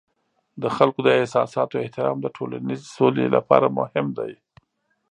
د خلکو د احساساتو احترام د ټولنیز سولې لپاره مهم دی.